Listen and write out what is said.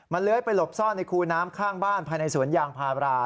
เลื้อยไปหลบซ่อนในคูน้ำข้างบ้านภายในสวนยางพารา